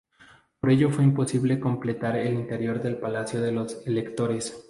Por ello fue imposible completar el interior del palacio de los Electores.